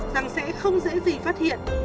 rằng sẽ không dễ gì phát hiện